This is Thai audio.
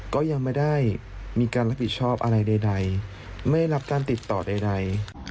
ก็ยังไม่ได้มีการรับผิดชอบอะไรใดไม่ได้รับการติดต่อใด